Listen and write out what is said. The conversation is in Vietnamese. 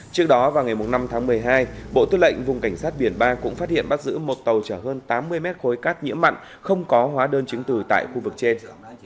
trước đó vào ngày năm tháng một mươi hai bộ tư lệnh vùng cảnh sát biển ba cũng phát hiện bắt giữ một tàu chở hơn tám mươi mét khối cát nhiễm mặn không có hóa đơn chứng từ tại khu vực trên